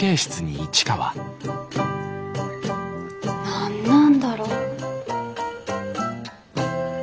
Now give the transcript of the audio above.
何なんだろ。